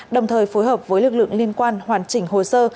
đồng thời phối hợp với lực lượng liên quan hoàn chỉnh hồ sơ